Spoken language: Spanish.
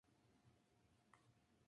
El retrato fue realizado en Nueva York.